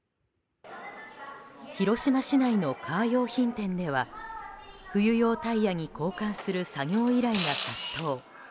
広島市内のカー用品店では冬用タイヤに交換する作業依頼が殺到。